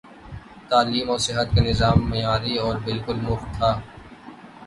تعلیم اور صحت کا نظام معیاری اور بالکل مفت تھا۔